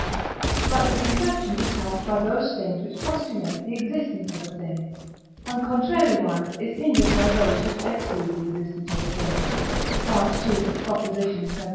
But conception is helped by those things which postulate the existence of a thing, and contrariwise is hindered by those which exclude the existence of a thing (II. xvii.)